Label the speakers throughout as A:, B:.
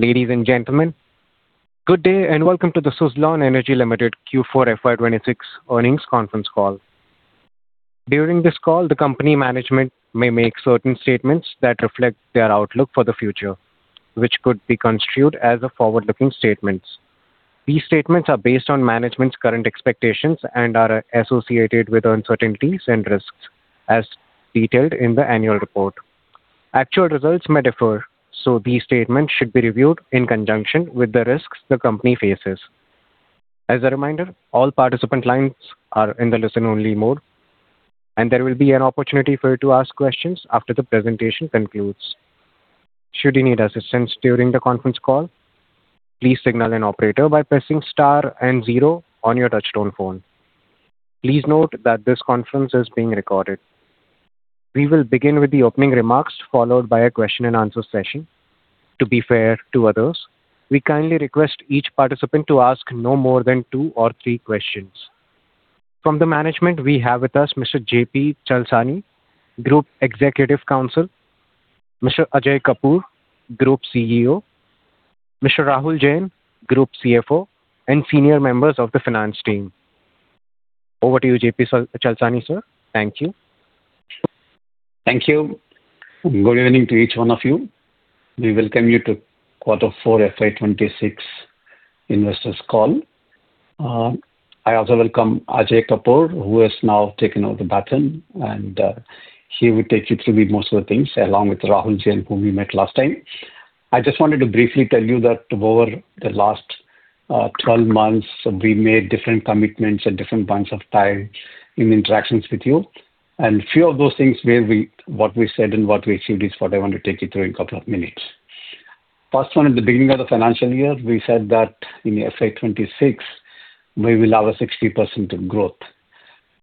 A: Ladies and gentlemen, good day and welcome to the Suzlon Energy Limited Q4 FY 2026 earnings conference call. During this call, the company management may make certain statements that reflect their outlook for the future, which could be construed as forward-looking statements. These statements are based on management's current expectations and are associated with uncertainties and risks as detailed in the annual report. Actual results may differ. These statements should be reviewed in conjunction with the risks the company faces. As a reminder, all participant lines are in listen-only mode, and there will be an opportunity for you to ask questions after the presentation concludes. Should you need assistance during the conference call, please signal an operator by pressing star and zero on your touchtone phone. Please note that this conference is being recorded. We will begin with the opening remarks followed by a question and answer session. To be fair to others, we kindly request each participant to ask no more than two or three questions. From the management, we have with us Mr. J.P. Chalasani, Member, Group Executive Council, Mr. Ajay Kapur, Group CEO, Mr. Rahul Jain, Group CFO, and senior members of the finance team. Over to you, J.P. Chalasani, sir. Thank you.
B: Thank you. Good evening to each one of you. We welcome you to Quarter Four FY 2026 investors call. I also welcome Ajay Kapur, who has now taken over the baton, and he will take you through most of the things along with Rahul Jain, whom we met last time. I just wanted to briefly tell you that over the last 12 months, we made different commitments at different points of time in interactions with you. A few of those things may be what we said and what we achieved is what I want to take you through in a couple of minutes. First one, at the beginning of the financial year, we said that in FY 2026, we will have a 60% growth.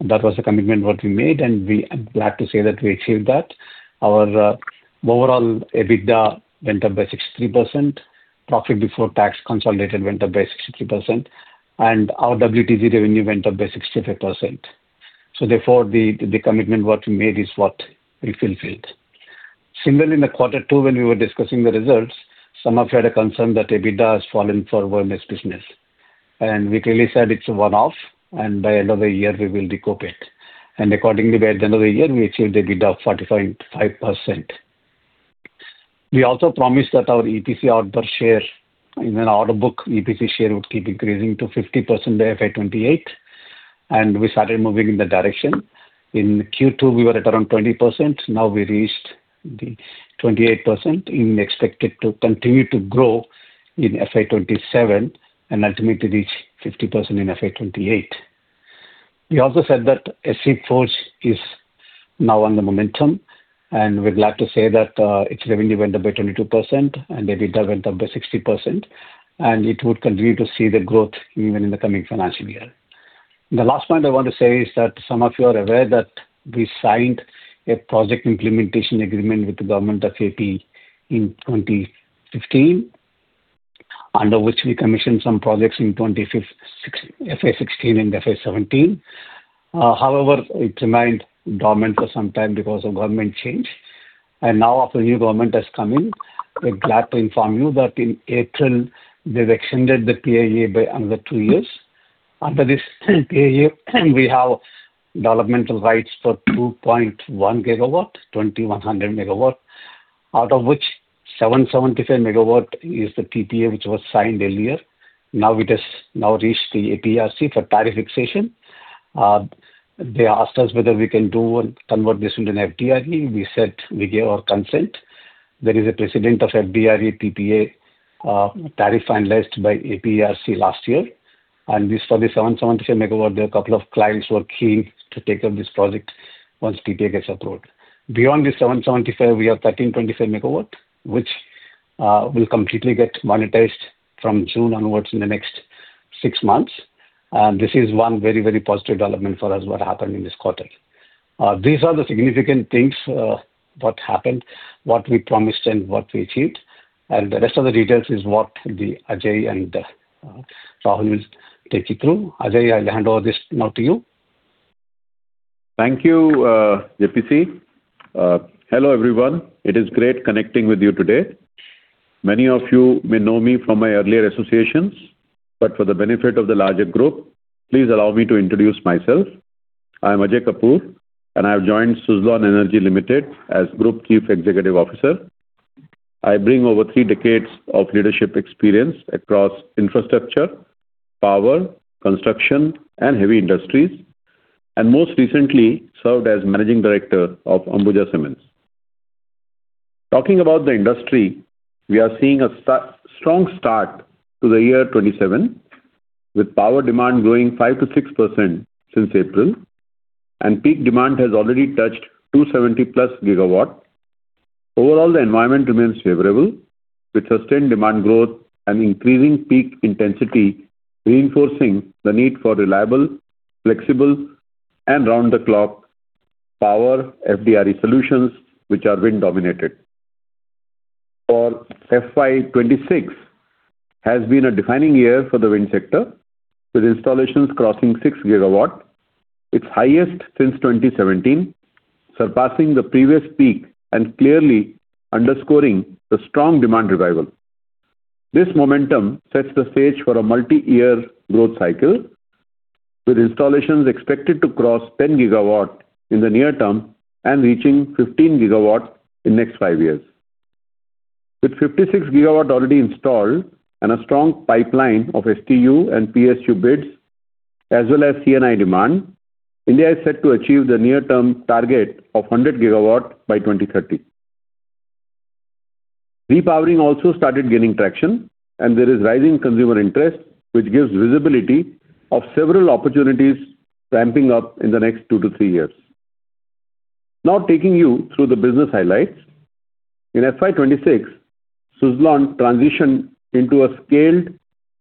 B: That was a commitment that we made, and we are glad to say that we achieved that. Our overall EBITDA went up by 63%, profit before tax consolidated went up by 63%, and our WTG revenue went up by 65%. Therefore, the commitment that we made is what we fulfilled. Similarly, in quarter two when we were discussing the results, some of you had a concern that EBITDA has fallen for our business. We clearly said it's a one-off and by end of the year we will recoup it. Accordingly, by end of the year, we achieved EBITDA of 45.5%. We also promised that our EPC order share in our order book, EPC share will keep decreasing to 50% by FY 2028, and we started moving in that direction. In Q2, we were around 20%. Now we reached 28%, and we expect it to continue to grow in FY 2027 and ultimately reach 50% in FY 2028. We also said that SE Forge is now on the momentum, and we're glad to say that its revenue went up by 22% and the EBITDA went up by 60%, and it would continue to see the growth even in the coming financial year. The last point I want to say is that some of you are aware that we signed a project implementation agreement with the Government of A.P. in 2015, under which we commissioned some projects in FY 2016 and FY 2017. However, it remained dormant for some time because of government change. Now, a new government has come in. We're glad to inform you that in April, they've extended the PPA by another two years. Under this PPA, we have developmental rights for 2.1 gigawatts, 2,100 megawatts, out of which 775 megawatts is the PPA, which was signed earlier. It has now reached the APERC for tariff fixation. They asked us whether we can convert this into an FDRE. We said we gave our consent. There is a precedent of FDRE PPA tariff analyzed by APERC last year. This for the 775 MW, there are a couple of clients who are keen to take up this project once PPA gets approved. Beyond the 775, we have 1,325 MW, which will completely get monetized from June onwards in the next six months. This is one very positive development for us what happened in this quarter. These are the significant things, what happened, what we promised, and what we achieved. The rest of the details is what Ajay and Rahul will take you through. Ajay, I'll hand over this now to you.
C: Thank you, J.P.C. Hello, everyone. It is great connecting with you today. Many of you may know me from my earlier associations. For the benefit of the larger group, please allow me to introduce myself. I'm Ajay Kapur, and I've joined Suzlon Energy Limited as Group Chief Executive Officer. I bring over three decades of leadership experience across infrastructure, power, construction, and heavy industries, and most recently served as Managing Director of Ambuja Cements. Talking about the industry, we are seeing a strong start to the year 2027, with power demand growing 5%-6% since April, and peak demand has already touched 270+ gigawatts. Overall, the environment remains favorable, with sustained demand growth and increasing peak intensity, reinforcing the need for reliable, flexible, and round-the-clock power FDRE solutions, which are wind-dominated. For FY 2026 has been a defining year for the wind sector, with installations crossing six gigawatts, its highest since 2017, surpassing the previous peak and clearly underscoring the strong demand revival. This momentum sets the stage for a multi-year growth cycle, with installations expected to cross 10 gigawatts in the near term and reaching 15 gigawatts in next five years. With 56 gigawatts already installed and a strong pipeline of STU and PSU bids, as well as C&I demand, India is set to achieve the near-term target of 100 gigawatts by 2030. Repowering also started gaining traction, and there is rising consumer interest, which gives visibility of several opportunities ramping up in the next two to three years. Now taking you through the business highlights. In FY 2026, Suzlon transitioned into a scaled,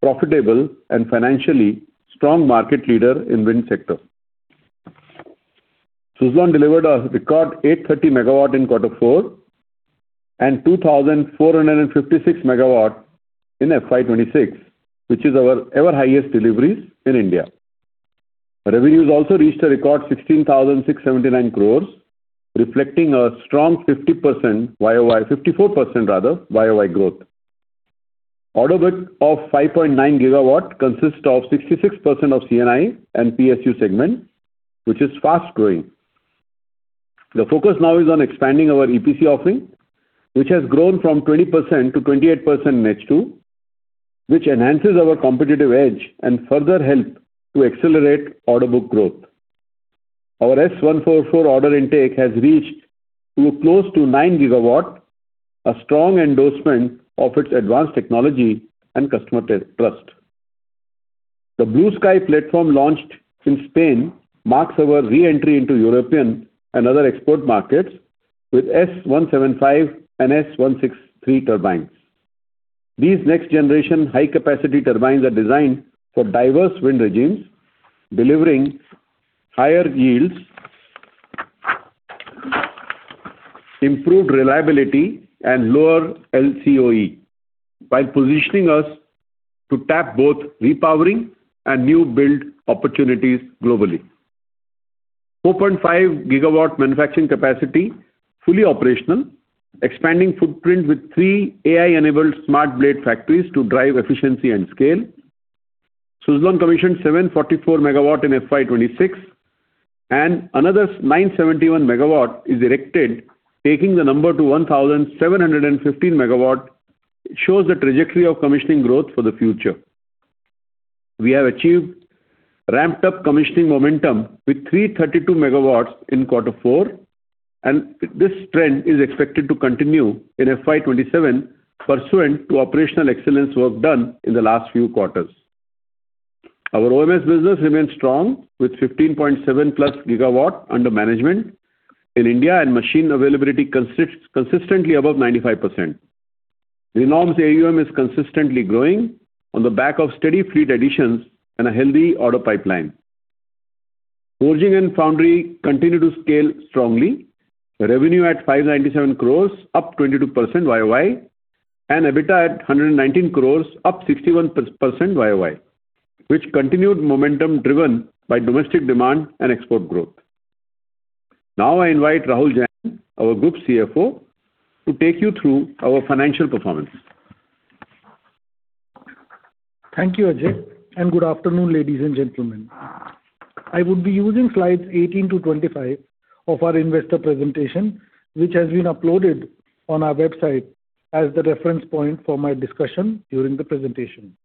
C: profitable, and financially strong market leader in wind sector. Suzlon delivered a record 830 MW in quarter four and 2,456 MW in FY 2026, which is our ever highest deliveries in India. Revenues also reached a record 16,679 crores, reflecting a strong 54% YoY growth. Order book of 5.9 GW consists of 66% of C&I and PSU segment, which is fast growing. The focus now is on expanding our EPC offering, which has grown from 20%-28% in H2, which enhances our competitive edge and further help to accelerate order book growth. Our S144 order intake has reached to close to 9 GW, a strong endorsement of its advanced technology and customer trust. The Blue Sky platform launched in Spain marks our re-entry into European and other export markets with S175 and S163 turbines. These next generation high capacity turbines are designed for diverse wind regimes, delivering higher yields, improved reliability, and lower LCOE, while positioning us to tap both repowering and new build opportunities globally. 4.5 GW manufacturing capacity, fully operational, expanding footprint with three AI enabled smart blade factories to drive efficiency and scale. Suzlon commissioned 744 MW in FY 2026 and another 971 MW is erected, taking the number to 1,715 MW, shows the trajectory of commissioning growth for the future. We have achieved ramped up commissioning momentum with 332 MW in quarter four. This trend is expected to continue in FY 2027 pursuant to operational excellence work done in the last few quarters. Our O&M business remains strong with 15.7+ GW under management in India and machine availability consistently above 95%. Renewals O&M is consistently growing on the back of steady fleet additions and a healthy order pipeline. Forging and foundry continue to scale strongly. The revenue at 597 crore up 22% YoY and EBITDA at 119 crore up 61% YoY, which continued momentum driven by domestic demand and export growth. Now I invite Rahul Jain, our Group CFO, to take you through our financial performance.
D: Thank you, Ajay, and good afternoon, ladies and gentlemen. I would be using slides 18 to 25 of our investor presentation, which has been uploaded on our website as the reference point for my discussion during the presentation.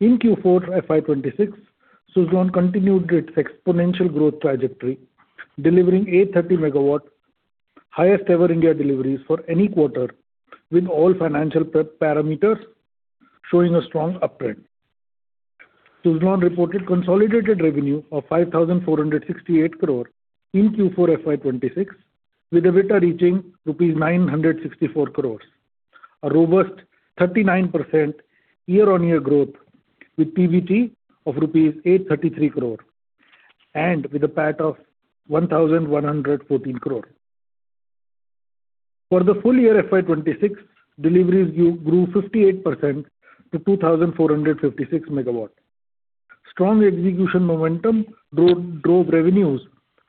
D: In Q4 FY 2026, Suzlon continued its exponential growth trajectory, delivering 830 MW, highest ever India deliveries for any quarter, with all financial parameters showing a strong uptrend. Suzlon reported consolidated revenue of 5,468 crore in Q4 FY 2026, with EBITDA reaching rupees 964 crore. A robust 39% YoY growth with PBT of rupees 833 crore and with a PAT of 1,114 crore. For the full year FY 2026, deliveries grew 58% to 2,456 megawatts. Strong execution momentum drove revenues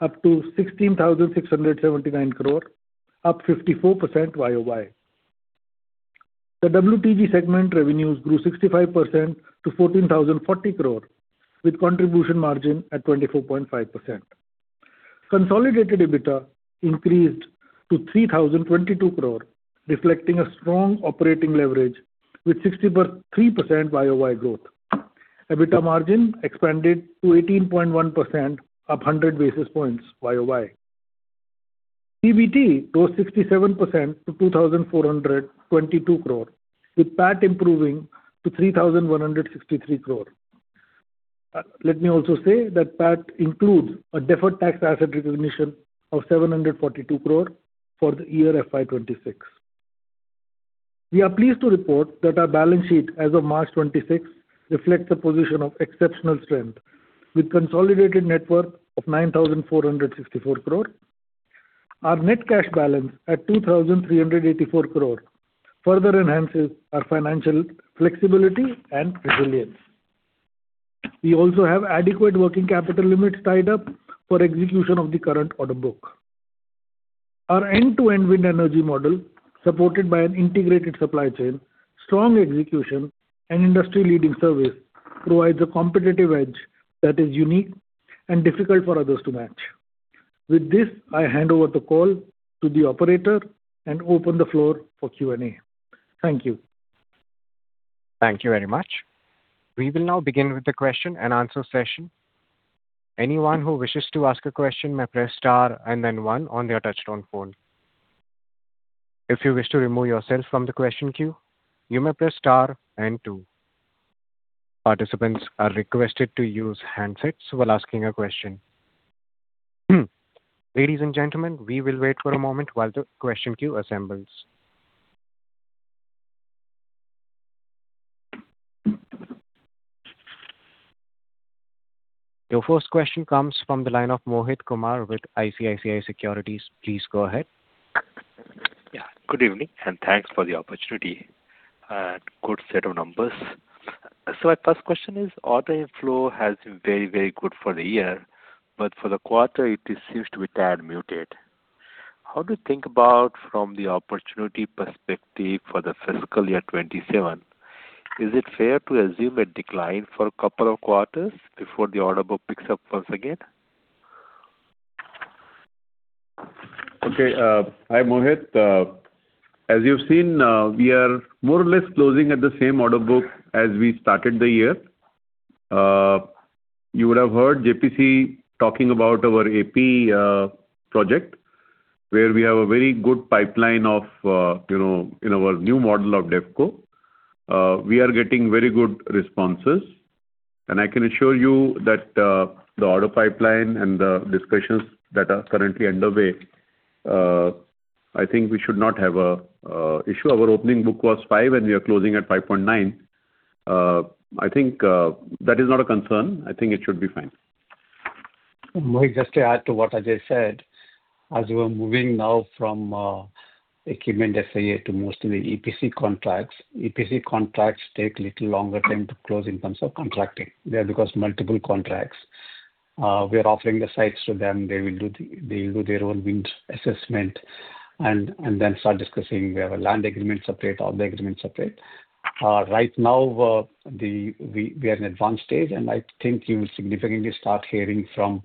D: up to 16,679 crore, up 54% YoY. The WTG segment revenues grew 65% to 14,040 crore with contribution margin at 24.5%. Consolidated EBITDA increased to 3,022 crore, reflecting a strong operating leverage with 63% YoY growth. EBITDA margin expanded to 18.1% up 100 basis points YoY. PBT rose 67% to 2,422 crore with PAT improving to 3,163 crore. Let me also say that PAT includes a deferred tax asset recognition of 742 crore for the year FY 2026. We are pleased to report that our balance sheet as of March 2026 reflects a position of exceptional strength with consolidated net worth of 9,464 crore. Our net cash balance at 3,384 crore further enhances our financial flexibility and resilience. We also have adequate working capital limits tied up for execution of the current order book. Our end-to-end wind energy model, supported by an integrated supply chain, strong execution, and industry-leading service, provides a competitive edge that is unique and difficult for others to match. With this, I hand over the call to the operator and open the floor for Q&A. Thank you.
A: Thank you very much. We will now begin with the question and answer session. Anyone who wishes to ask a question may press star and then one on their touchtone phone. If you wish to remove yourself from the question queue, you may press star and two. Participants are requested to use handsets while asking a question. Ladies and gentlemen, we will wait for a moment while the question queue assembles. Your first question comes from the line of Mohit Kumar with ICICI Securities. Please go ahead.
E: Yeah. Good evening. Thanks for the opportunity. A good set of numbers. My first question is, order inflow has been very good for the year, but for the quarter it seems to be tad muted. How do you think about from the opportunity perspective for FY 2027? Is it fair to assume a decline for a couple of quarters before the order book picks up once again?
C: Okay. Hi, Mohit. As you've seen, we are more or less closing at the same order book as we started the year. You would have heard J.P.C. talking about our AP project, where we have a very good pipeline in our new model of DevCo. We are getting very good responses. I can assure you that the order pipeline and the discussions that are currently underway, I think we should not have a issue. Our opening book was five. We are closing at 5.9. I think that is not a concern. I think it should be fine.
B: Mohit, just to add to what Ajay said, as we're moving now from equipment sales to mostly EPC contracts. EPC contracts take little longer time to close in terms of contracting. They are across multiple contracts. We are offering the sites to them. They will do their own wind assessment and then start discussing, we have a land agreement separate, all the agreements separate. Right now, we are in advanced stage, and I think you will significantly start hearing from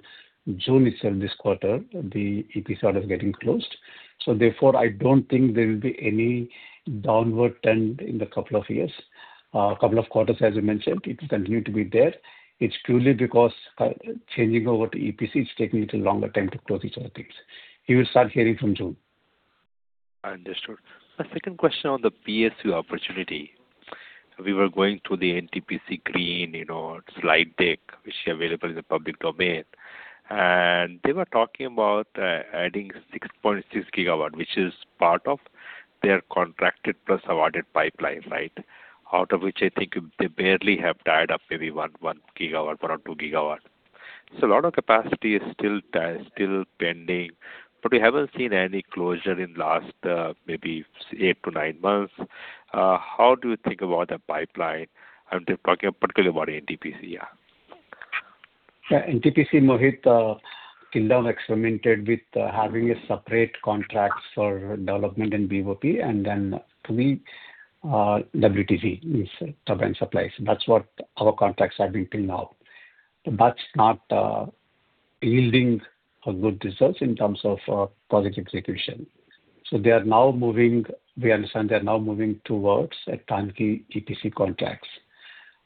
B: June itself, this quarter, the EPC orders getting closed. Therefore, I don't think there will be any downward trend in the couple of years. A couple of quarters, as I mentioned, it will continue to be there. It's truly because changing over to EPC, it's taking a little longer time to close these orders. You will start hearing from June.
E: Understood. My second question on the PSU opportunity. We were going through the NTPC Green slide deck, which is available in the public domain. They were talking about adding 6.6 gigawatt, which is part of their contracted plus awarded pipeline, out of which I think they barely have tied up maybe one gigawatt or two gigawatt. A lot of capacity is still pending, but we haven't seen any closure in last maybe eight to nine months. How do you think about the pipeline, particularly about NTPC?
B: NTPC, Mohit, till now experimented with having a separate contract for development and BOP and then WTG, works and supplies. That's what our contracts have been till now. That's not yielding good results in terms of project execution. We understand they're now moving towards a turnkey EPC contracts.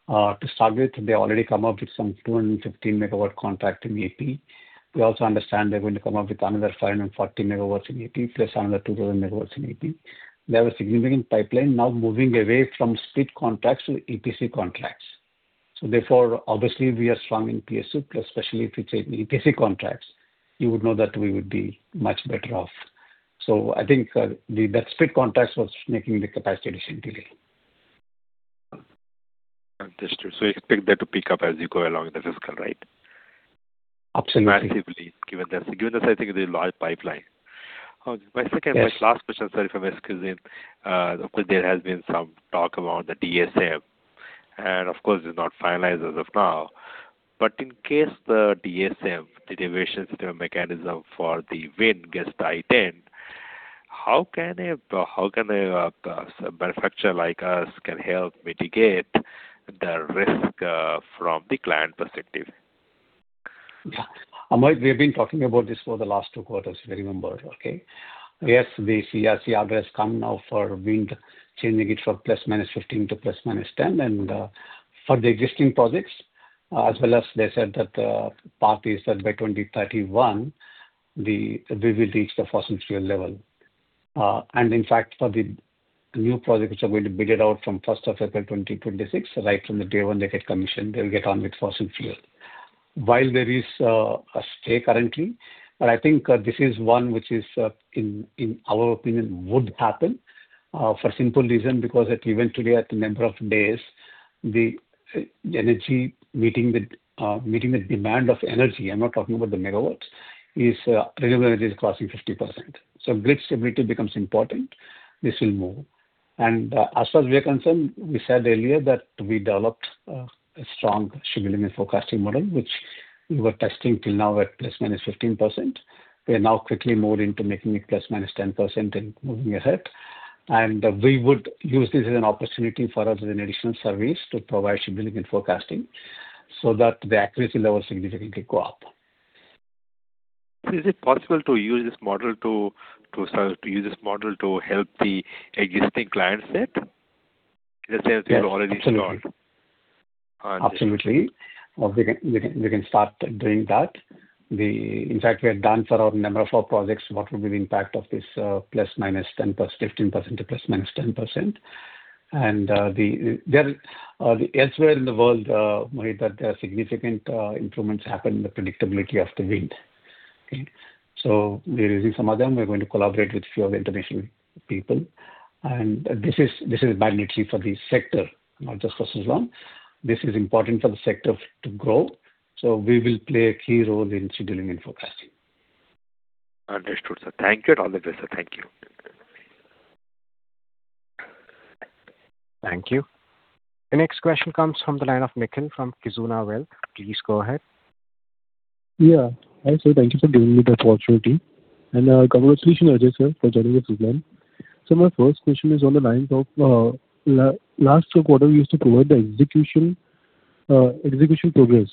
B: To start with, they already come up with some 250 MW contract in AP. We also understand they're going to come up with another 540 MW in AP, plus another 200 MW in AP. They have a significant pipeline now moving away from split contracts to EPC contracts. Therefore, obviously, we are strong in PSU, especially if you take EPC contracts, you would know that we would be much better off. I think that split contracts was making the capacity addition delay.
E: Understood. You expect that to pick up as you go along the fiscal, right?
B: Absolutely.
E: Given that I think it's a large pipeline. My second, last question, sorry if I'm squeezing in. There has been some talk about the DSM, and of course, it's not finalized as of now. In case the DSM, Deviation Settlement Mechanism for the wind gets tied in, how can a manufacturer like us can help mitigate the risk from the client perspective?
B: Mohit, we've been talking about this for the last two quarters, if you remember, okay. Yes, the CERC orders come now for wind, changing it from ±15 to ±10. For the existing projects, as well as they said that the path is set by 2031, we will reach the fossil fuel level. In fact, for the new projects are going to be bid out from 1st of April 2026, right from the day one they get commissioned, they'll get on with fossil fuel. While there is a stay currently, I think this is one which is, in our opinion, would happen for simple reason because it eventually, at the number of days. The energy meeting the demand of energy, I'm not talking about the megawatts, is renewable energy is costing 50%. Grid stability becomes important. This will move. As far as we are concerned, we said earlier that we developed a strong scheduling and forecasting model, which we were testing till now at plus minus 15%. We are now quickly moving to making it plus minus 10% and moving ahead. We would use this as an opportunity for us as an additional service to provide scheduling and forecasting so that the accuracy level significantly go up.
E: Is it possible to use this model to help the existing client set? Let's say it's already installed.
B: Absolutely. We can start doing that. In fact, we have done for a number of our projects, what will be the impact of this ±15% to ±10%. Elsewhere in the world, Mohit, there are significant improvements happen in the predictability of the wind. There is some of them we're going to collaborate with few of the international people. This is badly needed for the sector, not just for Suzlon. This is important for the sector to grow. We will play a key role in scheduling and forecasting.
E: Understood, sir. Thank you. It is all the best, sir. Thank you.
A: Thank you. The next question comes from the line of Nikhil from Kizuna Wealth. Please go ahead.
F: Yeah. Hi, sir. Thank you for giving me the opportunity. Congratulations, sir, for joining us again. My first question is on the lines of last two quarters you used to provide the execution progress.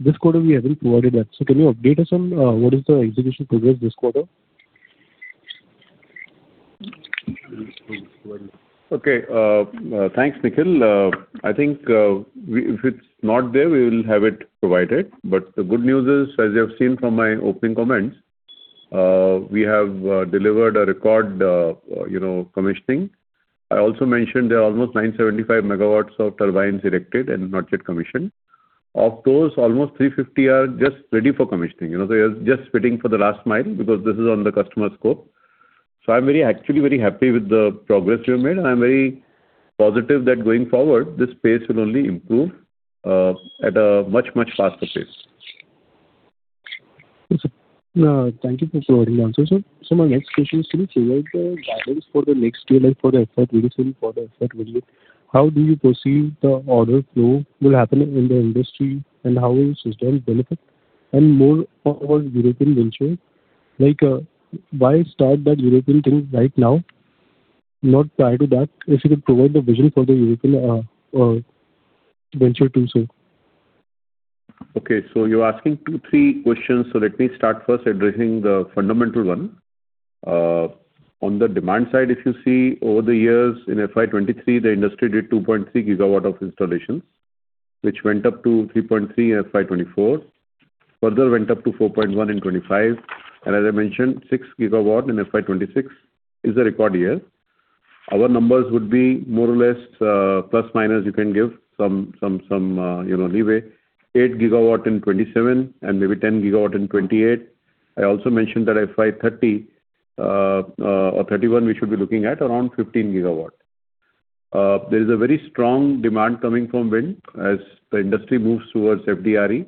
F: This quarter we haven't provided that. Can you update us on what is the execution progress this quarter?
C: Okay. Thanks, Nikhil. I think if it's not there, we will have it provided. The good news is, as you have seen from my opening comments, we have delivered a record commissioning. I also mentioned there are almost 975 MW of turbines erected and not yet commissioned. Of those, almost 350 are just ready for commissioning. They're just waiting for the last mile because this is on the customer scope. I'm actually very happy with the progress we made. I'm very positive that going forward, this pace will only improve at a much, much faster pace.
F: Thank you for your answer, sir. My next question is, what are the battles for the next year, like for FY 2027, for FY 2028? How do you perceive the order flow will happen in the industry, and how will Suzlon benefit? More on European venture, why start that European thing right now? Not prior to that. If you could provide the vision for the European venture too, sir.
C: Okay. You're asking two, three questions, let me start first addressing the fundamental one. On the demand side, if you see over the years in FY 2023, the industry did 2.3 GW of installations, which went up to 3.3 GW in FY 2024, further went up to 4.1 GW in FY 2025. As I mentioned, 6 GW in FY 2026 is a record year. Our numbers would be more or less, plus minus you can give some leeway, 8 GW in FY 2027 and maybe 10 GW in FY 2028. I also mentioned that FY 2030 or FY 2031, we should be looking at around 15 GW. There's a very strong demand coming from wind as the industry moves towards FDRE.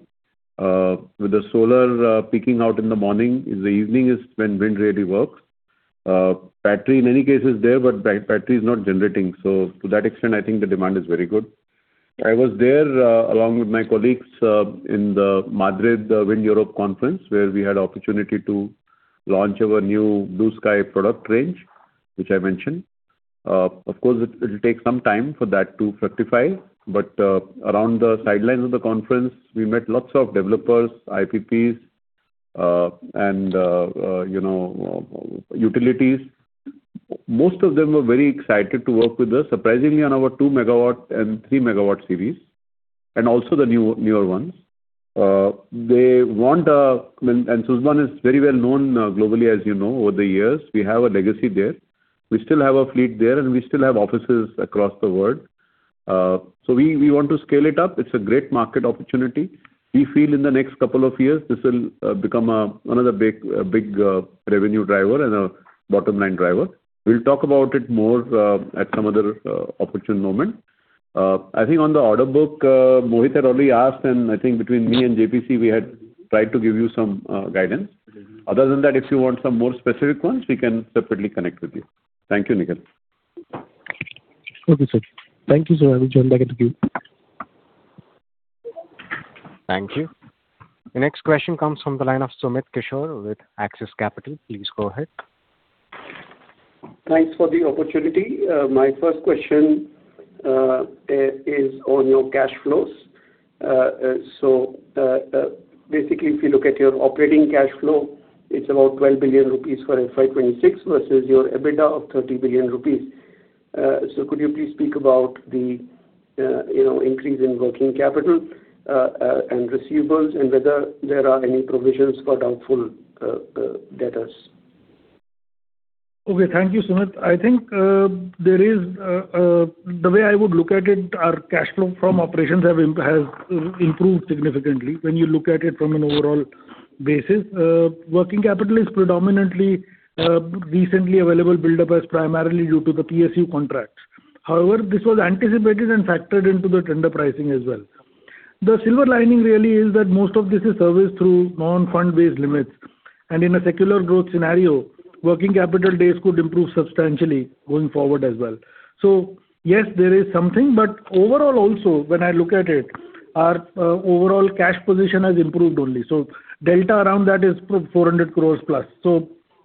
C: With the solar peaking out in the morning, in the evening is when wind really works. Battery in many cases is there, but battery is not generating. To that extent, I think the demand is very good. I was there along with my colleagues in the Madrid WindEurope Annual Event, where we had opportunity to launch our new Blue Sky product range, which I mentioned. Of course, it will take some time for that to fructify. Around the sidelines of the conference, we met lots of developers, IPPs, and utilities. Most of them were very excited to work with us, surprisingly on our 2 MW and 3 MW series, and also the newer ones. Suzlon is very well known globally, as you know, over the years. We have a legacy there. We still have a fleet there, and we still have offices across the world. We want to scale it up. It's a great market opportunity. We feel in the next couple of years, this will become another big revenue driver and a bottom-line driver. We'll talk about it more at some other opportune moment. I think on the order book, Mohit had already asked, and I think between me and J.P.C., we had tried to give you some guidance. Other than that, if you want some more specific ones, we can separately connect with you. Thank you, Nikhil.
F: Okay, sir. Thank you so much. I'll hand it back to you.
A: Thank you. The next question comes from the line of Sumit Kishore with Axis Capital. Please go ahead.
G: Thanks for the opportunity. My first question is on your cash flows. Basically, if you look at your operating cash flow, it's about 12 billion rupees for FY 2026 versus your EBITDA of 30 billion rupees. Could you please speak about the increase in working capital and receivables and whether there are any provisions for doubtful debtors?
D: Okay. Thank you, Sumit. I think the way I would look at it, our cash flow from operations has improved significantly when you look at it from an overall basis. Working capital is predominantly recently available buildup as primarily due to the PSU contracts. However, this was anticipated and factored into the tender pricing as well. The silver lining really is that most of this is serviced through non-fund-based limits. In a secular growth scenario, working capital days could improve substantially going forward as well. Yes, there is something. Overall also, when I look at it, our overall cash position has improved only. Delta around that is 400 crores plus.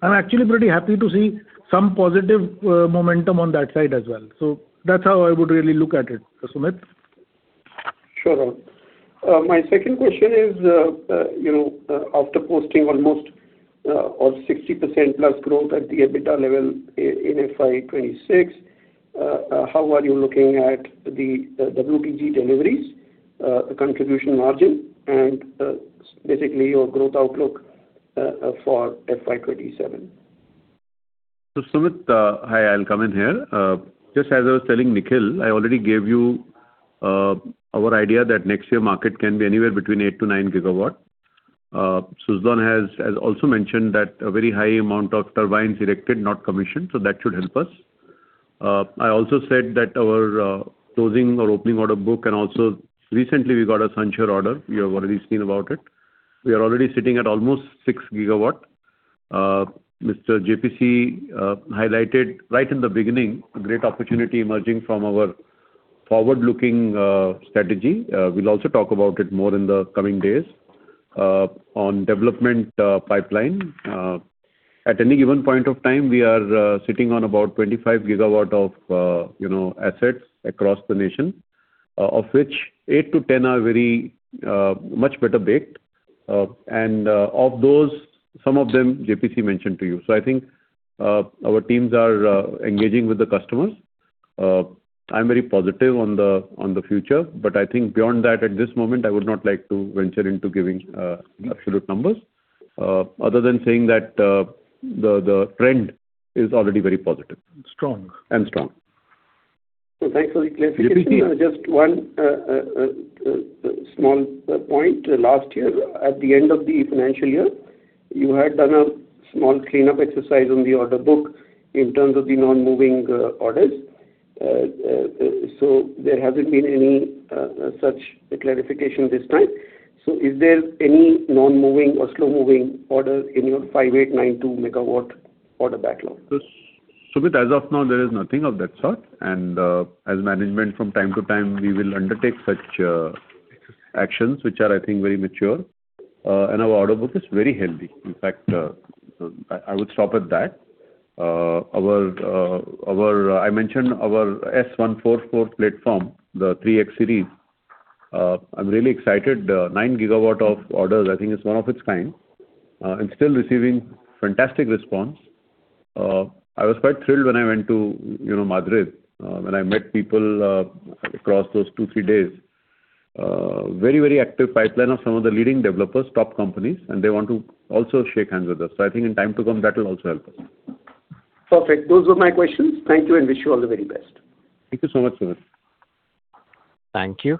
D: I'm actually pretty happy to see some positive momentum on that side as well. That's how I would really look at it, Sumit.
G: Sure. My second question is, after posting almost or 60% plus growth at the EBITDA level in FY 2026, how are you looking at the WTG deliveries, the contribution margin, and basically your growth outlook for FY 2027?
C: Sumit, hi, I'll come in here. Just as I was telling Nikhil, I already gave you our idea that next year market can be anywhere between 8-9 gigawatt. Suzlon has also mentioned that a very high amount of turbines erected, not commissioned, that should help us. I also said that our closing or opening order book, and also recently we got a Sunsure Energy order. You have already seen about it. We are already sitting at almost six gigawatt. Mr. J.P.C. highlighted right in the beginning, a great opportunity emerging from our forward-looking strategy. We'll also talk about it more in the coming days on development pipeline. At any given point of time, we are sitting on about 25 gigawatt of assets across the nation, of which 8-10 are very much better bet. Of those, some of them J.P.C. mentioned to you. I think our teams are engaging with the customers. I'm very positive on the future. I think beyond that, at this moment, I would not like to venture into giving absolute numbers other than saying that the trend is already very positive.
B: Strong.
C: Strong.
G: Thanks for the clarification. Just one small point. Last year, at the end of the financial year, you had done a small cleanup exercise on the order book in terms of the non-moving orders. There hasn't been any such clarification this time. Is there any non-moving or slow-moving orders in your 5,892 MW order backlog?
C: Sumit, as of now, there is nothing of that sort. As management, from time to time, we will undertake such actions, which are, I think, very mature. Our order book is very healthy. In fact, I would stop at that. I mentioned our S144 platform, the 3X series. I'm really excited. 9 gigawatt of orders, I think it's one of its kind, and still receiving fantastic response. I was quite thrilled when I went to Madrid, when I met people across those two, three days. Very, very active pipeline of some of the leading developers, top companies, and they want to also shake hands with us. I think in time to come, that will also help.
G: Perfect. Those were my questions. Thank you, and wish you all the very best.
C: Thank you so much, Sumit.
A: Thank you.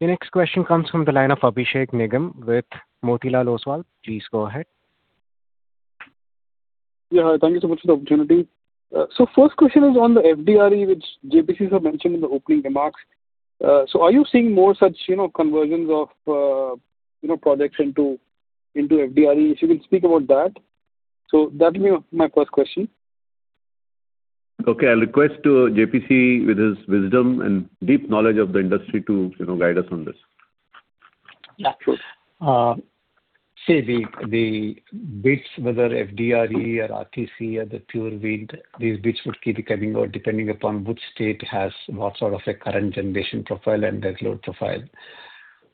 A: The next question comes from the line of Abhishek Nigam with Motilal Oswal. Please go ahead.
H: Thank you so much for the opportunity. First question is on the FDRE, which J.P.C. has mentioned in the opening remarks. Are you seeing more such convergence of projects into FDRE? If you can speak about that. That'll be my first question.
C: Okay. I'll request J.P.C. with his wisdom and deep knowledge of the industry to guide us on this.
B: Yeah, sure. See, the bids, whether FDRE or RTC or the pure wind, these bids would keep coming out depending upon which state has what sort of a current generation profile and their load profile.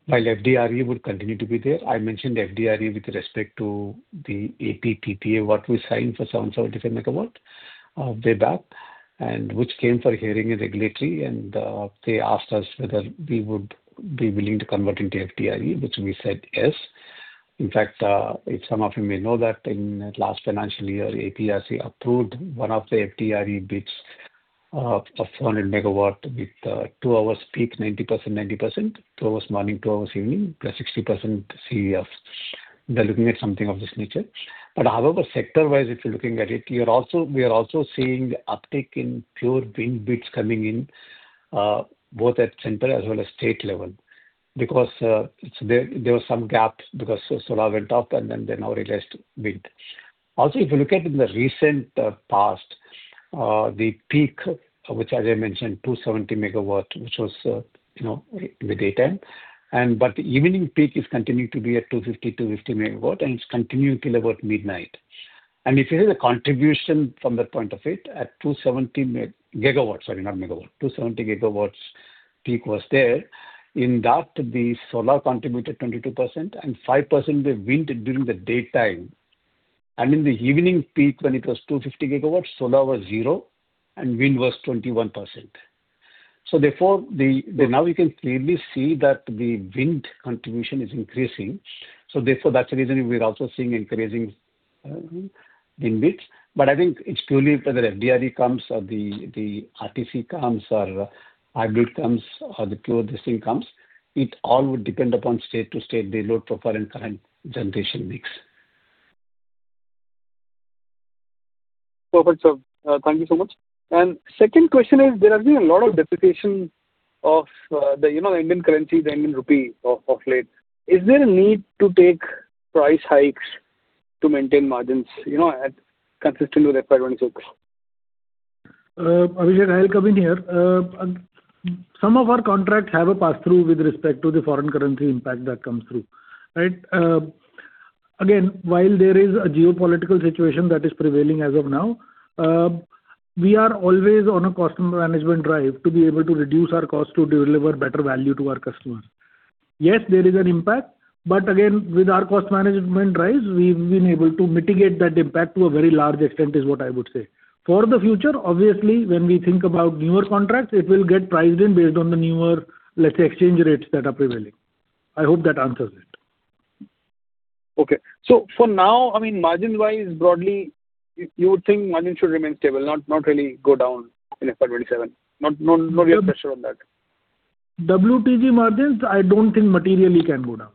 B: While FDRE would continue to be there, I mentioned FDRE with respect to the AP PPA what we signed for so and so different megawatt way back, and which came for hearing regularly, and they asked us whether we would be willing to convert into FDRE, which we said yes. In fact, some of you may know that in the last financial year, APRC approved one of the FDRE bids of 400 MW with two-hour peak, 90/90%, two hours morning, two hours evening, plus 60% CUF. They're looking at something of this nature. However, sector-wise, if you're looking at it, we are also seeing the uptick in pure wind bids coming in, both at center as well as state level, because there were some gaps because solar went up and then now it is wind. If you look at in the recent past, the peak, which as I mentioned, 270 MW, which was in the daytime. The evening peak is continuing to be at 250 MW, and it's continuing till about midnight. If you see the contribution from the point of it at 270 MW, sorry, not megawatt, 270 GW peak was there. In that, the solar contributed 22% and 5% the wind during the daytime. In the evening peak, when it was 250 GW, solar was zero and wind was 21%. Therefore, now we can clearly see that the wind contribution is increasing. Therefore, that's the reason we're also seeing increasing wind bids. I think it's totally up to the FDRE comes or the RTC comes or hybrid comes or the pure this thing comes, it all would depend upon state to state load profile and current generation mix
H: Perfect, sir. Thank you so much. Second question is, there has been a lot of depreciation of the Indian currency, the Indian rupee of late. Is there a need to take price hikes to maintain margins at consistent unit requirements?
D: Abhishek, I'll come in here. Some of our contracts have a pass-through with respect to the foreign currency impact that comes through. Right? Again, while there is a geopolitical situation that is prevailing as of now, we are always on a cost management drive to be able to reduce our cost to deliver better value to our customers. Yes, there is an impact, but again, with our cost management drives, we've been able to mitigate that impact to a very large extent, is what I would say. For the future, obviously, when we think about newer contracts, it will get priced in based on the newer exchange rates that are prevailing. I hope that answers it.
H: Okay. For now, margin wise, broadly, you would think margin should remain stable, not really go down in FY 2027? Not real pressure on that.
D: WTG margins, I don't think materially can go down.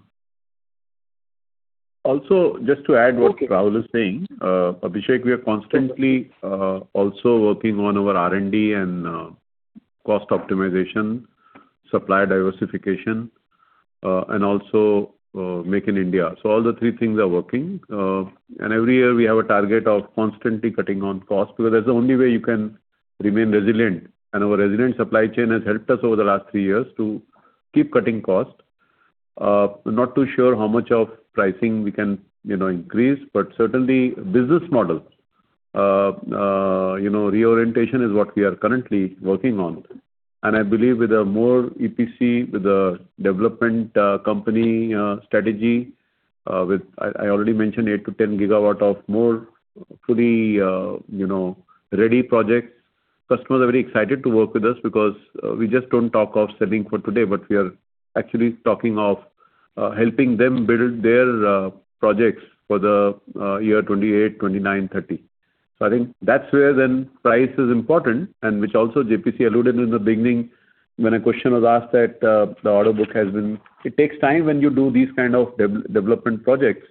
C: Also, just to add what Rahul was saying, Abhishek, we are constantly also working on our R&D and cost optimization, supply diversification, and also Make in India. All the three things are working. Every year we have a target of constantly cutting on cost because that's the only way you can remain resilient. Our resilient supply chain has helped us over the last three years to keep cutting costs. Not too sure how much of pricing we can increase, but certainly business model reorientation is what we are currently working on. I believe with a more EPC, with a development company strategy, with I already mentioned 8-10 GW of more fully ready projects. Customers are very excited to work with us because we just don't talk of selling for today, but we are actually talking of helping them build their projects for the year 2028, 2029, 2030. I think that's where then price is important, and which also J.P.C. alluded in the beginning when a question was asked that It takes time when you do these kind of development projects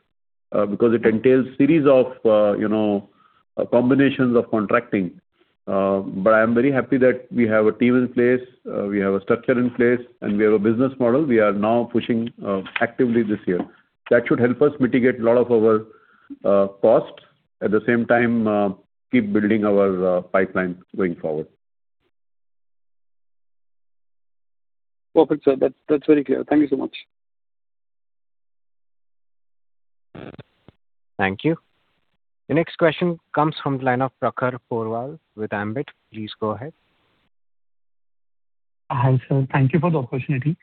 C: because it entails series of combinations of contracting. I'm very happy that we have a team in place, we have a structure in place, and we have a business model we are now pushing actively this year. That should help us mitigate a lot of our costs, at the same time, keep building our pipeline going forward.
H: Perfect, sir. That's very clear. Thank you so much.
A: Thank you. The next question comes from the line of Prakhar Porwal with Ambit Capital. Please go ahead.
I: Hi, sir. Thank you for the opportunity.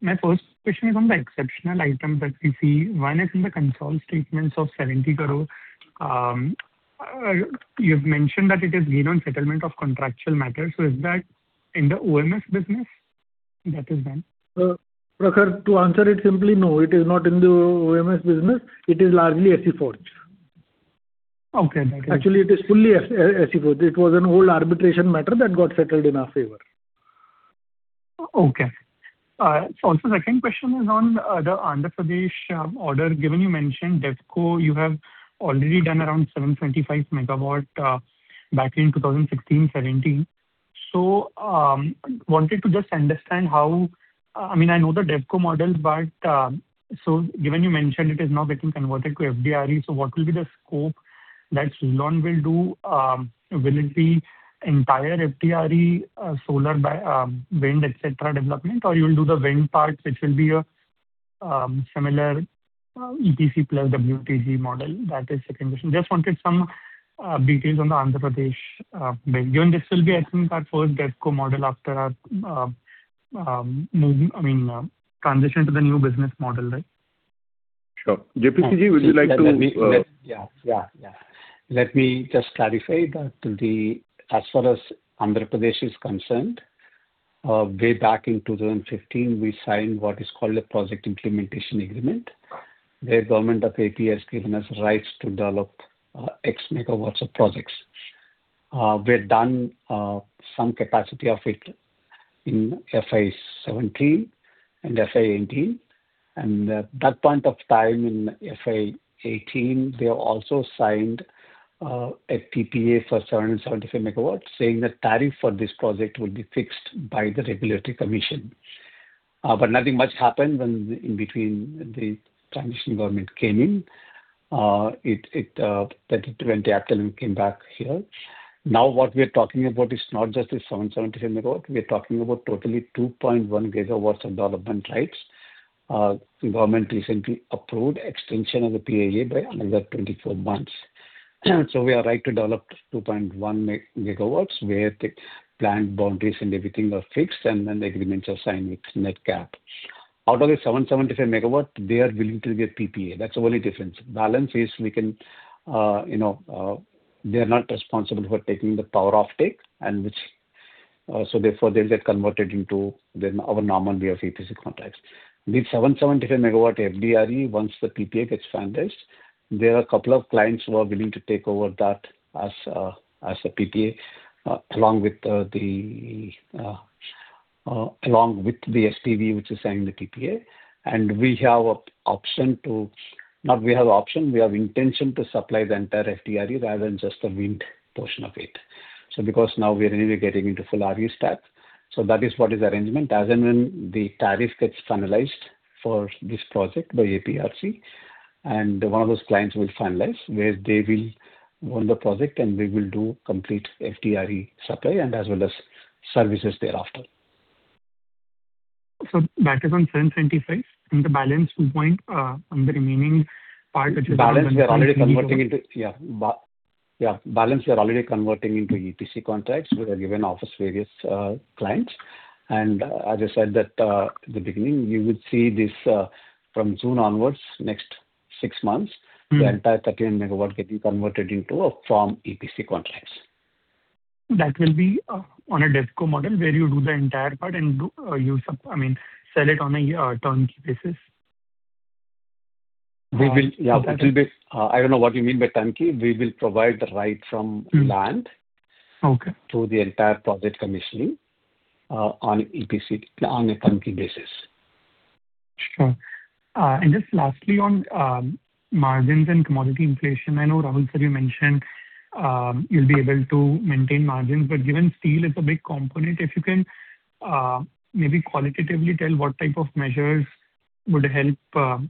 I: My first question is on the exceptional item that we see. One is in the consolidated statements of 70 crore. You've mentioned that it is given settlement of contractual matters. Is that in the O&M business that is done?
D: Prakhar, to answer it simply, no, it is not in the O&M business. It is largely SEFORGE.
I: Okay.
D: Actually, it is fully SEFORGE. It was a whole arbitration matter that got settled in our favor.
I: Okay. The second question is on the Andhra Pradesh order. Given you mentioned DevCo, you have already done around 725 MW back in 2015, 2017. Wanted to just understand how, I know the DevCo model, given you mentioned it is now getting converted to FDRE, what will be the scope that Suzlon will do? Will it be entire FDRE, solar, wind, et cetera, development, or you will do the wind part, which will be a similar EPC plus WTG model? That is the second question. Just wanted some details on the Andhra Pradesh mega. This will be actually part for DevCo model after transition to the new business model.
C: Sure. J.P.C., would you like to?
B: Let me just clarify that as far as Andhra Pradesh is concerned, way back in 2015, we signed what is called a project implementation agreement, where Government of AP has given us rights to develop X MW of projects. We had done some capacity of it in FY 2017 and FY 2018. At that point of time in FY 2018, they also signed a PPA for 775 MW, saying the tariff for this project will be fixed by the regulatory commission. Nothing much happened when in between the transition government came in. 2020, after we came back here. Now what we're talking about is not just the 775 MW, we're talking about totally 2.1 GW of development rights. Government recently approved extension of the PPA by another 24 months. We have right to develop 2.1 gigawatts where the plant boundaries and everything are fixed, and then the agreements are signed with NREDCAP. Out of the 775 megawatt, they are willing to give PPA. That's the only difference. Balance is they're not responsible for taking the power off-take, so therefore they'll get converted into then our normal way of EPC contracts. The 775 megawatt FDRE, once the PPA gets finalized, there are a couple of clients who are willing to take over that as a PPA along with. Along with the SEB, which is signed the PPA, we have option, not we have option, we have intention to supply the entire FDRE rather than just the wind portion of it. Because now we're really getting into full RE stack. That is what is the arrangement. As and when the tariff gets finalized for this project by APRC, one of those clients will finalize where they will own the project, and we will do complete FDRE supply and as well as services thereafter.
I: That is on 776 and the balance two point on the remaining part.
B: Balance we are already converting into EPC contracts. We are given offers various clients. As I said that at the beginning, you would see this from June onwards, next six months, the entire 13 megawatt getting converted into a firm EPC contracts.
I: That will be on a DevCo model where you do the entire part and sell it on a turnkey basis.
B: I don't know what you mean by turnkey. We will provide right from land to the entire project commissioning on EPC, on a turnkey basis.
I: Sure. Just lastly on margins and commodity inflation, I know, Rahul sir, you mentioned you'll be able to maintain margins, but given steel is a big component, if you can maybe qualitatively tell what type of measures would help.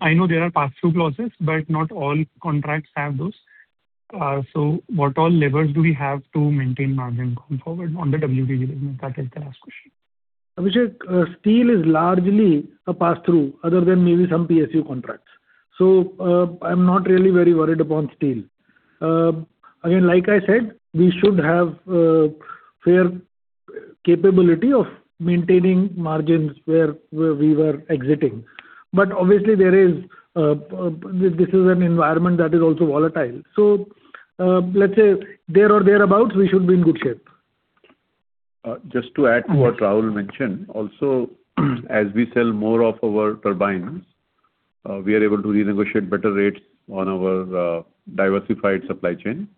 I: I know there are passthrough clauses, not all contracts have those. What all levers do we have to maintain margin going forward on the WTG business? That is the last question.
D: Abhishek, steel is largely a passthrough other than maybe some PSU contracts. I'm not really very worried about steel. Again, like I said, we should have a fair capability of maintaining margins where we were exiting. Obviously, this is an environment that is also volatile. Let's say there or thereabout, we should be in good shape.
C: Just to add to what Rahul mentioned. As we sell more of our turbines, we are able to renegotiate better rates on our diversified supply chain.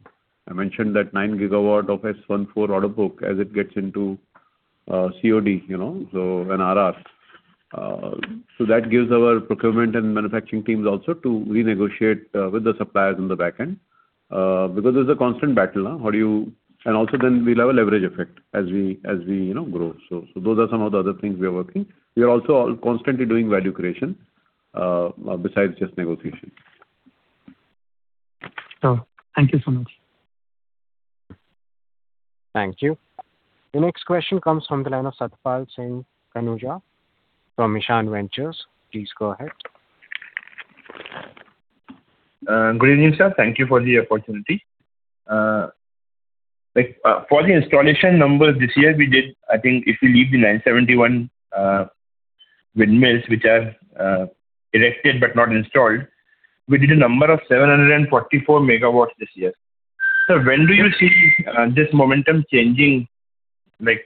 C: I mentioned that nine gigawatt of S144 order book as it gets into COD, sooner. That gives our procurement and manufacturing teams also to renegotiate with the suppliers on the backend because there's a constant battle. Also then we'll have a leverage effect as we grow. Those are some of the other things we are working. We are also constantly doing value creation besides just negotiation.
I: Thank you so much.
A: Thank you. The next question comes from the line of Satpal Singh Khanuja from Ishan Ventures. Please go ahead.
J: Good evening, sir. Thank you for the opportunity. For the installation numbers this year, we did, I think if you leave the 971 windmills, which are erected but not installed, we did a number of 744 megawatts this year. When do you see this momentum changing, like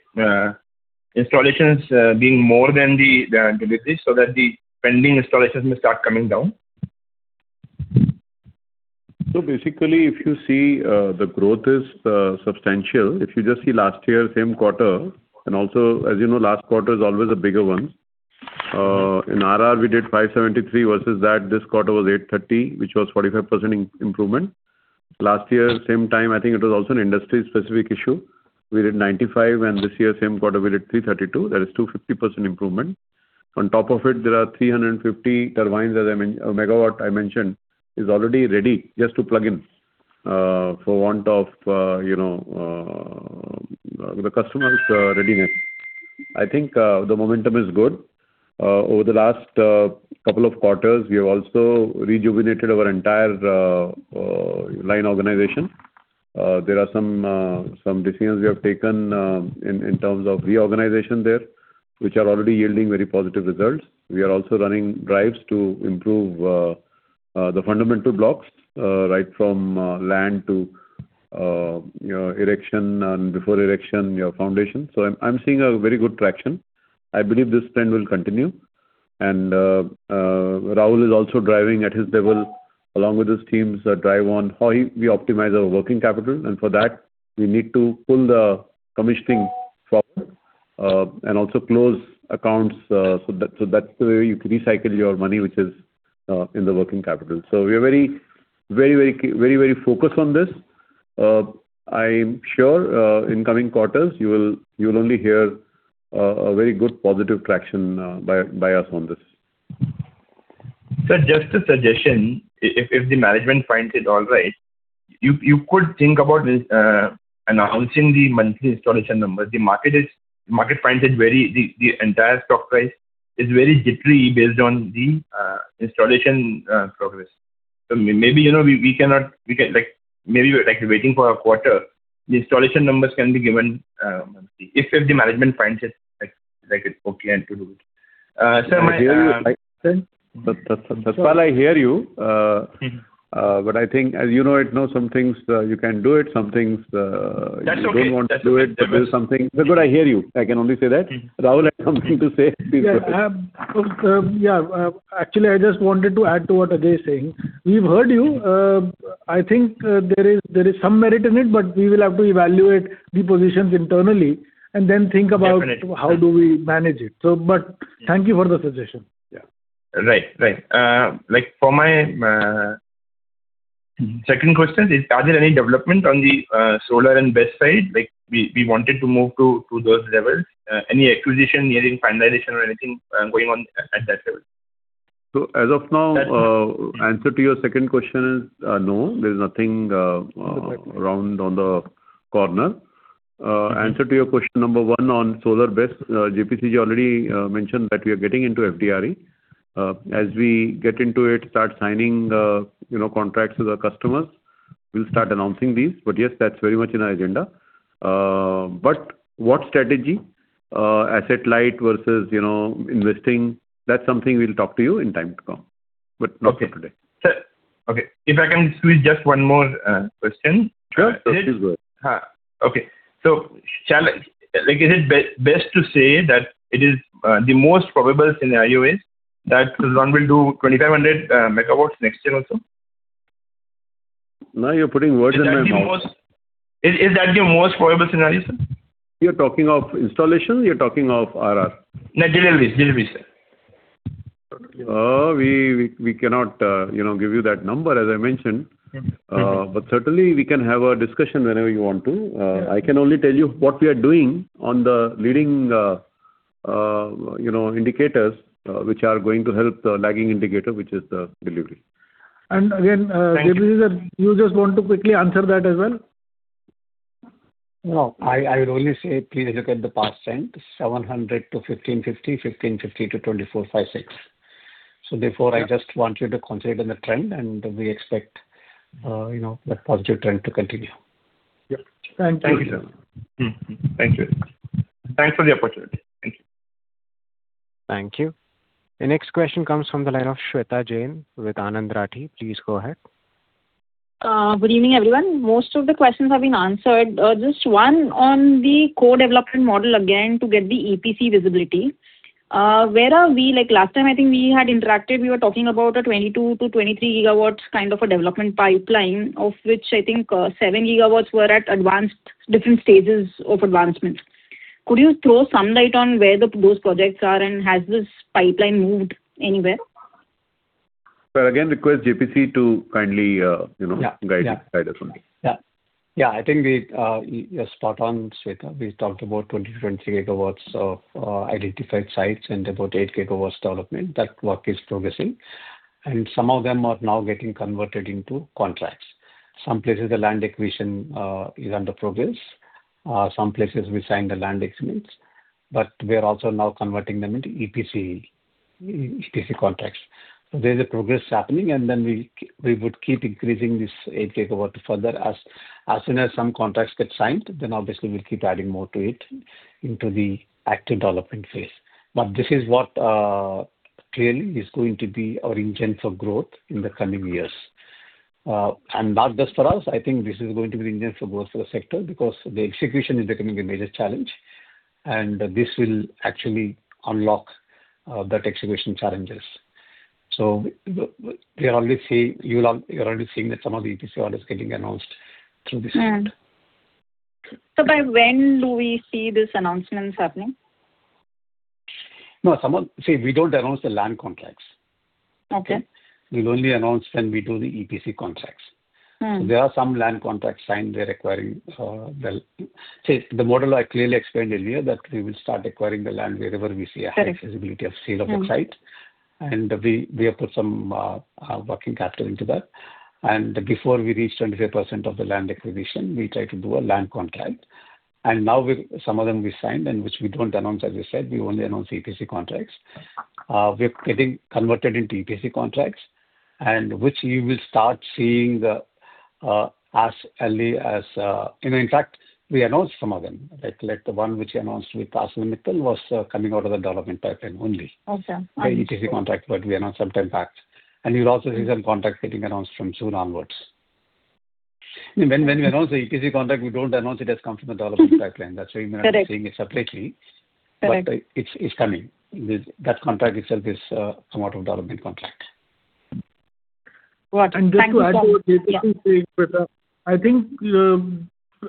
J: installations being more than the activities so that the pending installations will start coming down?
C: Basically, if you see the growth is substantial. If you just see last year, same quarter, and also, as you know, last quarter is always a bigger one. In R&R, we did 573 versus that this quarter was 830, which was 45% improvement. Last year, same time, I think it was also an industry-specific issue. We did 95, and this year, same quarter, we did 332. That is 250% improvement. On top of it, there are 350 turbines, a MW I mentioned, is already ready just to plug in for want of the customers readying it. I think the momentum is good. Over the last couple of quarters, we have also rejuvenated our entire line organization. There are some decisions we have taken in terms of reorganization there, which are already yielding very positive results. We are also running drives to improve the fundamental blocks, right from land to erection and before erection foundation. I'm seeing a very good traction. I believe this trend will continue. Rahul is also driving at his level along with his teams that drive on how we optimize our working capital. For that, we need to pull the commissioning forward and also close accounts. That's the way you can recycle your money, which is in the working capital. We are very focused on this. I am sure in coming quarters, you will only hear a very good positive traction by us on this.
J: Sir, just a suggestion, if the management finds it all right, you could think about announcing the monthly installation numbers. The market finds it very, the entire stock price is very jittery based on the installation progress. Maybe waiting for a quarter, the installation numbers can be given monthly, if the management finds it okay and to do it.
C: Satpal, I hear you, I think as you know it, some things you can do it, some things you don't want to do it. I hear you. I can only say that. Rahul has something to say.
D: Yeah. Actually, I just wanted to add to what Ajay is saying. We have heard you. I think there is some merit in it. We will have to evaluate the positions internally and then think about how do we manage it. Thank you for the suggestion. Yeah
J: Right. For my second question, is there any development on the solar and BESS side? We wanted to move to those levels. Any acquisition nearing finalization or anything going on at that level?
C: As of now, answer to your second question is no, there's nothing around on the corner. Answer to your question number one on solar BESS, J.P.C. already mentioned that we are getting into FDRE. As we get into it, start signing the contracts with the customers, we'll start announcing these. Yes, that's very much in our agenda. What strategy, asset light versus investing, that's something we'll talk to you in time to come. Not today.
J: Okay. If I can squeeze just one more question.
C: Sure. Please go ahead.
J: Okay. Like is it best to say that it is the most probable scenario is that Suzlon will do 2,500 megawatts next year also?
C: Now you're putting words in my mouth.
J: Is that the most probable scenario, sir?
C: You're talking of installation or you're talking of R&R?
J: Delivery, sir.
C: We cannot give you that number, as I mentioned. Certainly, we can have a discussion whenever you want to. I can only tell you what we are doing on the leading indicators, which are going to help the lagging indicator, which is the delivery.
J: Again, you just want to quickly answer that as well?
B: I would only say, please look at the past trend, 700 to 1,550, 1,550 to 2,456. I just want you to consider the trend, and we expect the positive trend to continue.
J: Yep. Thank you.
C: Thank you, sir.
J: Thank you. Thanks for the opportunity. Thank you.
A: Thank you. The next question comes from the line of Sweta Jain with Anand Rathi. Please go ahead.
K: Good evening, everyone. Most of the questions have been answered. Just one on the co-development model, again, to get the EPC visibility. Where are we? Last time, I think we had interacted, we were talking about a 22-23 gigawatts kind of a development pipeline, of which I think seven gigawatts were at different stages of advancement. Could you throw some light on where those projects are, and has this pipeline moved anywhere?
C: Again, request J.P.C. to kindly guide us on this.
B: Yeah. I think you are spot on, Sweta. We talked about 20-23 gigawatts of identified sites and about 8 gigawatts development. That work is progressing, and some of them are now getting converted into contracts. Some places the land acquisition is under progress. Some places we signed the land agreements, but we are also now converting them into EPC contracts. There's progress happening, and then we would keep increasing this 8 gigawatts further. As soon as some contracts get signed, then obviously we'll keep adding more to it into the active development phase. This is what really is going to be our engine for growth in the coming years. Not just for us, I think this is going to be engine for growth for the sector because the execution is becoming a major challenge, and this will actually unlock that execution challenges. You're already seeing that some of the EPC orders getting announced through this quarter.
K: By when do we see this announcement happening?
B: No, Sweta, we don't announce the land contracts.
K: Okay.
B: We only announce when we do the EPC contracts. There are some land contracts signed. They're acquiring. Say, the model I clearly explained earlier, that we will start acquiring the land wherever we see a high feasibility of C wind site, and we have put some working capital into that. Before we reach 25% of the land acquisition, we try to do a land contract. Now some of them we signed, and which we don't announce, as I said, we only announce EPC contracts. We're getting converted into EPC contracts, and which you will start seeing as early as. In fact, we announced some of them. Like the one which we announced last minute was coming out of the development pipeline only. The EPC contract we announced sometime back. You'll also see some contracts getting announced from soon onwards. When we announce the EPC contract, we don't announce it has come from the development pipeline. That's why we are announcing it separately. It's coming. That contract itself is somewhat a development contract.
K: Got it. Thank you so much.
C: This was basically saying, Sweta, I think,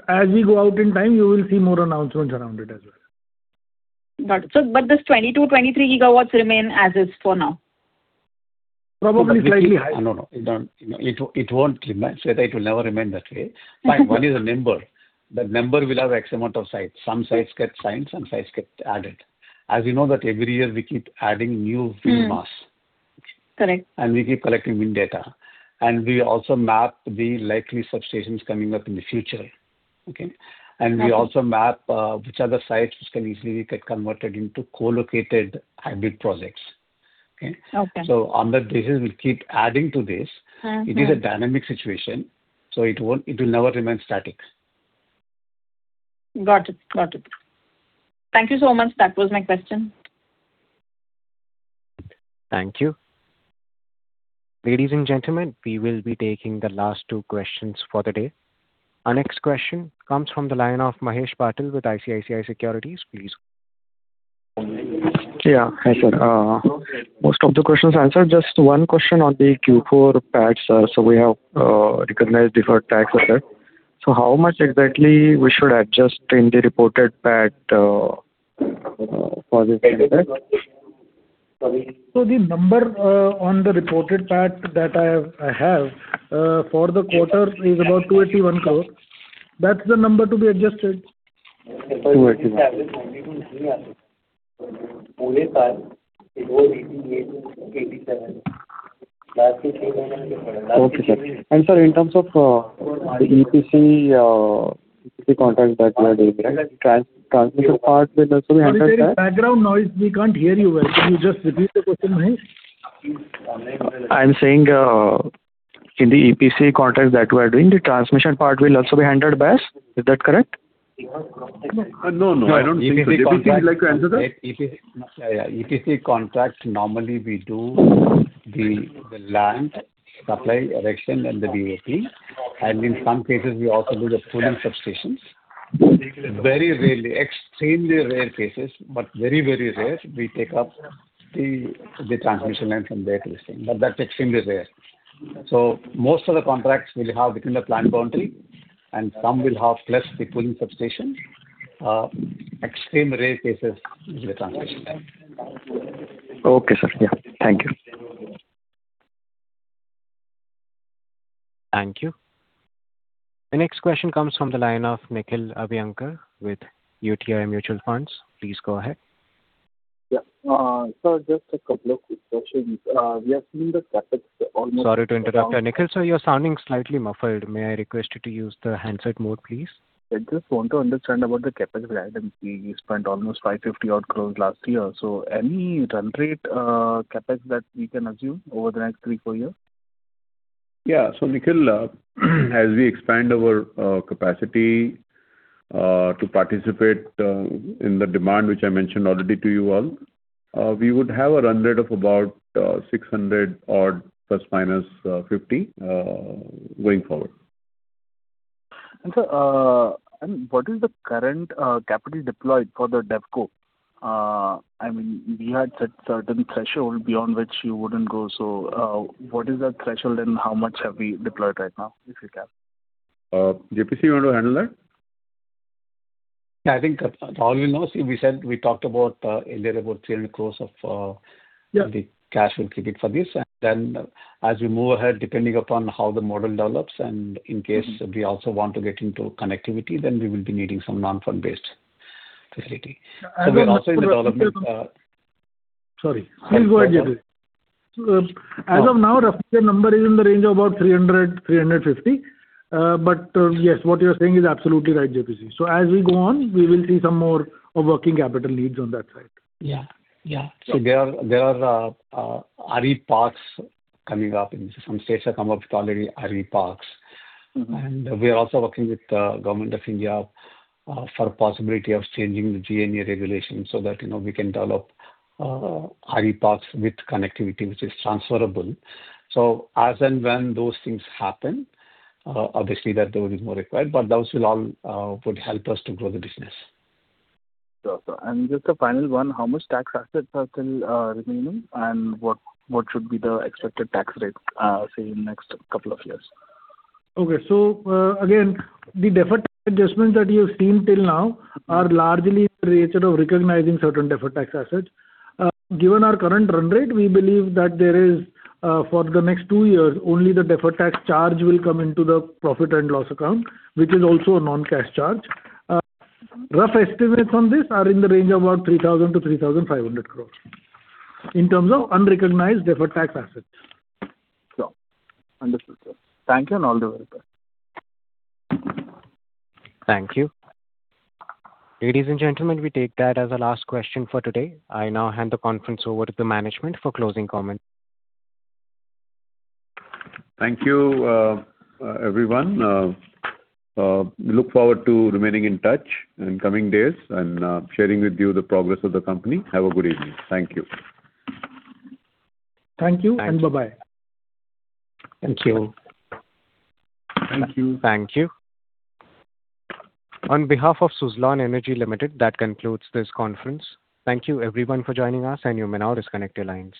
C: as we go out in time, you will see more announcements around it as well.
K: Got it. This 22, 23 gigawatts remain as is for now?
C: Probably 20, I don't know.
B: No, it won't remain. Sweta, it will never remain that way. What is a number? The number will have X amount of sites. Some sites get signed, some sites get added. As you know that every year we keep adding new wind masts.
K: Correct.
B: We keep collecting wind data. We also map the likely substations coming up in the future. Okay?
K: Got it.
B: We also map which are the sites which can easily get converted into co-located hybrid projects. Okay?
K: Okay.
B: On that basis, we'll keep adding to this. It is a dynamic situation, so it will never remain static.
K: Got it. Thank you so much. That was my question.
A: Thank you. Ladies and gentlemen, we will be taking the last two questions for the day. Our next question comes from the line of Mahesh Patil with ICICI Securities. Please go ahead.
L: Yeah. Hi, sir. Most of the questions answered. Just one question on the Q4 PAT, sir. We have recognized deferred tax effect. How much exactly we should adjust in the reported PAT for this effect?
D: The number on the reported PAT that I have for the quarter is about 281 crore. That's the number to be adjusted.
L: Okay. Sir, in terms of the EPC contracts that you are doing, transmission part will also be handled there?
D: There is background noise. We can't hear you well. Can you just repeat the question, Mahesh?
L: I'm saying, in the EPC contracts that you are doing, the transmission part will also be handled by us. Is that correct?
D: No, no. J.P.C., would you like to answer that?
B: EPC contracts, normally we do the land supply, erection, and the BOP, and in some cases, we also do the pooling substations. Very rarely, extremely rare cases, but very rare, we take up the transmission and from there to this thing, but that's extremely rare. Most of the contracts will have within the plant boundary, and some will have plus the pooling substation. Extreme rare cases, the transmission line.
L: Okay, sir. Thank you.
A: Thank you. The next question comes from the line of Nikhil Abhyankar with UTI Mutual Fund. Please go ahead.
M: Yeah. Sir, just a couple of quick questions. We have seen the CapEx almost.
A: Sorry to interrupt you, Nikhil. Sir, you're sounding slightly muffled. May I request you to use the handset mode, please?
M: I just want to understand about the CapEx spend. We spent almost 550 crores last year. Any run rate CapEx that we can assume over the next three, four years?
C: Nikhil, as we expand our capacity to participate in the demand, which I mentioned already to you all, we would have a run rate of about 600 odd, plus minus 50, going forward.
M: Sir, what is the current capital deployed for the DevCo? I mean, you had said certain threshold beyond which you wouldn't go, so what is that threshold, and how much have we deployed right now, if we can?
C: J.P.C., you want to handle that?
B: I think, Rahul knows, we talked about earlier about 300 crores the cash we keep it for this. As we move ahead, depending upon how the model develops, and in case we also want to get into connectivity, then we will be needing some non-fund-based facility.
C: Sorry. Please go ahead, Rahul..
D: As of now, roughly the number is in the range of about 300-350. Yes, what you're saying is absolutely right, J.P.C. As we go on, we will see some more working capital needs on that side.
B: There are RE parks coming up, in some states have come up with already RE parks. We're also working with the Government of India for possibility of changing the GNA regulations so that we can develop RE parks with connectivity which is transferable. As and when those things happen, obviously that there will be more required, but those will all would help us to grow the business.
M: Sure. Just the final one, how much tax assets are still remaining and what should be the expected tax rate, say, in the next couple of years?
D: Okay. Again, the deferred adjustment that you have seen till now are largely related to recognizing certain deferred tax assets. Given our current run rate, we believe that there is, for the next two years, only the deferred tax charge will come into the profit and loss account, which is also a non-cash charge. Rough estimate from this are in the range of about 3,000 crore-3,500 crore in terms of unrecognized deferred tax assets.
M: Sure. Understood, sir. Thank you, and all the best.
A: Thank you. Ladies and gentlemen, we take that as the last question for today. I now hand the conference over to the management for closing comments.
B: Thank you, everyone. Look forward to remaining in touch in coming days and sharing with you the progress of the company. Have a good evening. Thank you.
D: Thank you, and bye-bye.
C: Thank you.
A: Thank you. On behalf of Suzlon Energy Limited, that concludes this conference. Thank you everyone for joining us, and you may now disconnect your lines.